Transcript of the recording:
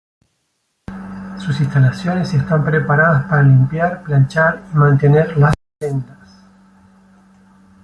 Sus instalaciones están preparadas para limpiar, planchar y mantener las prendas.